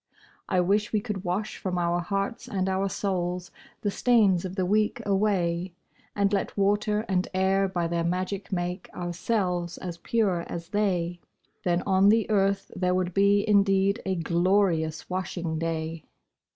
I wish we could wash from our hearts and our souls The stains of the week away, And let water and air by their magic make Ourselves as pure as they; Then on the earth there would be indeed A glorious washing day!